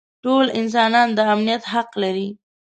ټول انسانان د امنیت حق لري.